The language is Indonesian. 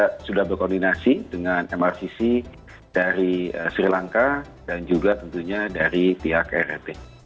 kita sudah berkoordinasi dengan mrcc dari sri lanka dan juga tentunya dari pihak rrt